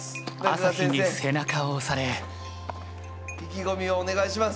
朝日に背中を押され意気込みをお願いします！